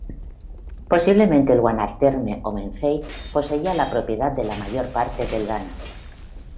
Posiblemente el Guanarteme o Mencey poseía la propiedad de la mayor parte del ganado.